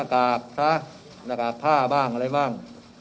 กากซะหน้ากากผ้าบ้างอะไรบ้าง